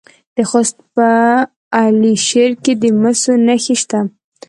د خوست په علي شیر کې د مسو نښې شته.